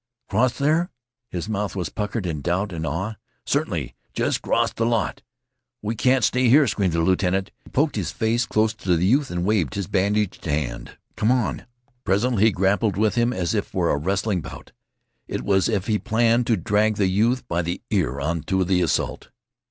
"Cross there?" His mouth was puckered in doubt and awe. "Certainly. Jest 'cross th' lot! We can't stay here," screamed the lieutenant. He poked his face close to the youth and waved his bandaged hand. "Come on!" Presently he grappled with him as if for a wrestling bout. It was as if he planned to drag the youth by the ear on to the assault.